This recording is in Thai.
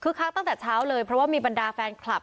คือคักตั้งแต่เช้าเลยเพราะว่ามีบรรดาแฟนคลับ